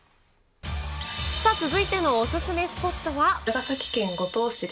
さあ、続いてのお勧めスポットは。